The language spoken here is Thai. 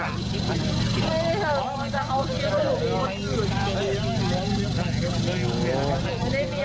ใช่เธอพวกมันจะเอาคลิปหยุด